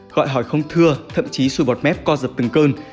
gọi hỏi không thưa thậm chí sụi bọt mép co giật từng cơn